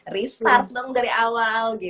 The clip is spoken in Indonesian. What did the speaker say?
restart dong dari awal